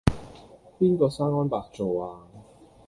邊個生安白造呀?